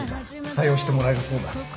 採用してもらえるそうだ。